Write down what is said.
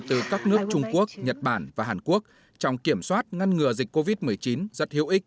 từ các nước trung quốc nhật bản và hàn quốc trong kiểm soát ngăn ngừa dịch covid một mươi chín rất hiệu ích